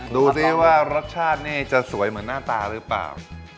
ดูสิว่ารสชาตินี่จะสวยเหมือนหน้าตาหรือเปล่า